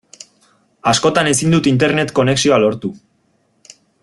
Askotan ezin dut Internet konexioa lortu.